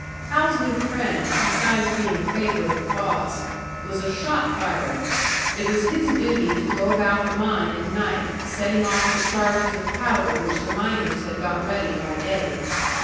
Hal's new friend besides being a favourite of the boss was a "shot firer"; it was his duty to go about the mine at night, setting off the charges of powder which the miners had got ready by day.